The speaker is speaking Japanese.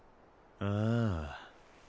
ああ。